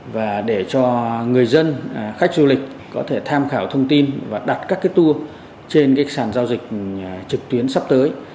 và để cho người dân khách du lịch có thể tham khảo thông tin và đặt các tour trên sàn giao dịch trực tuyến sắp tới